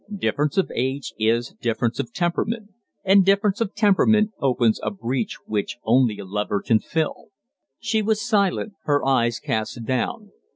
Difference of age is difference of temperament; and difference of temperament opens a breach which only a lover can fill." She was silent her eyes cast down.